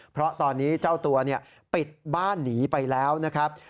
เพราะตอนนี้เจ้าตัวปิดบ้านหนีไปแล้วนะครับ